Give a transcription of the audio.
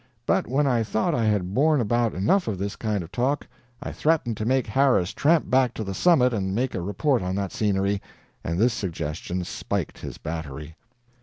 But when I thought I had borne about enough of this kind of talk, I threatened to make Harris tramp back to the summit and make a report on that scenery, and this suggestion spiked his battery.